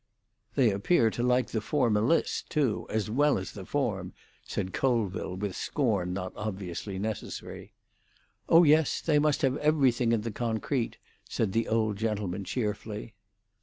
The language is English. "They appear to like the formalist too, as well as the form," said Colville, with scorn not obviously necessary. "Oh yes; they must have everything in the concrete," said the old gentleman cheerfully.